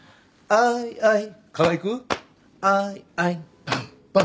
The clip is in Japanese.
「アイアイ」